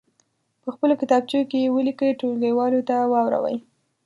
په خپلو کتابچو کې یې ولیکئ ټولګیوالو ته واوروئ.